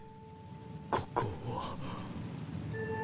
ここは？